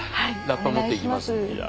ラッパ持っていきますんで。